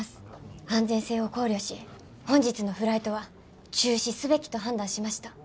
安全性を考慮し本日のフライトは中止すべきと判断しました。